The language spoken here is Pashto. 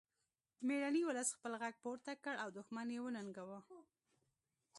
میړني ولس خپل غږ پورته کړ او دښمن یې وننګاوه